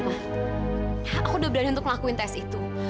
mas aku sudah berani untuk melakukan test itu